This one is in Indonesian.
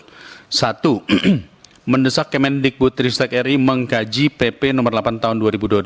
satu mendesak kementerian kementerian kementerian tristek ri mengkaji pp no delapan tahun dua ribu dua puluh dua